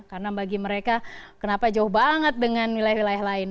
karena bagi mereka kenapa jauh banget dengan wilayah wilayah lain